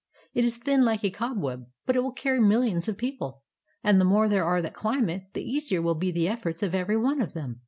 It is thin like a cobweb, but it will carry millions of people, and the more there are that climb it, the easier will be the efforts of every one of them.